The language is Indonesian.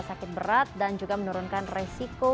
sakit berat dan juga menurunkan resiko